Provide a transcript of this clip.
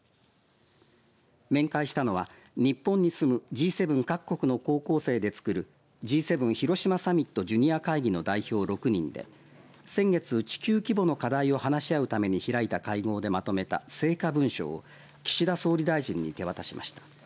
面会したのは日本に住むＧ７各国の高校生でつくるＧ７広島サミットジュニア会議の代表６人で先月、地球規模の課題を話し合うために開いた会合でまとめた成果文書を岸田総理大臣に手渡しました。